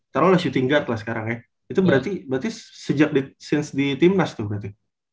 kalau lo shooting guard lah sekarang ya itu berarti sejak di timnas tuh berarti